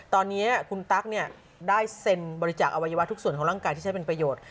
ตอนนี้คุณตั๊กได้เซ็นบริจาคอวัยวะทุกส่วนของร่างกายที่ใช้เป็นประโยชน์